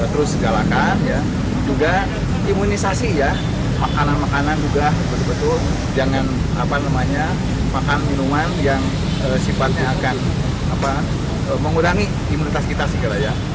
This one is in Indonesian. terus segalakan ya juga imunisasi ya makanan makanan juga jangan apa namanya makan minuman yang sifatnya akan mengurangi imunitas kita segera ya